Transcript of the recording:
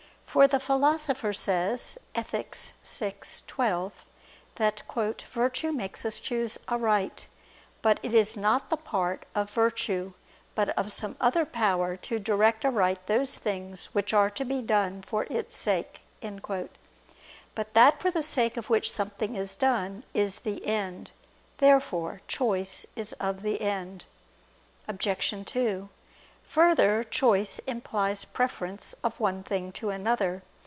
For the Philosopher says (Ethic. vi, 12) that "virtue makes us choose aright; but it is not the part of virtue, but of some other power to direct aright those things which are to be done for its sake." But that for the sake of which something is done is the end. Therefore choice is of the end. Obj. 2: Further, choice implies preference of one thing to another.